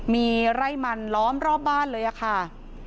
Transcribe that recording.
มีไร่มันล้อมรอบบ้านเลยค่ะ